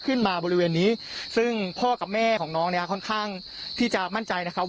บริเวณนี้ซึ่งพ่อกับแม่ของน้องเนี้ยค่อนข้างที่จะมั่นใจนะครับ